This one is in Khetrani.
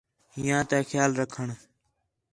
ہیّاں تا خیال رکھݨ